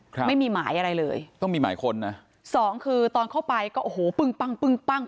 ครับไม่มีหมายอะไรเลยต้องมีหมายค้นนะสองคือตอนเข้าไปก็โอ้โหปึ้งปั้งปึ้งปั้ง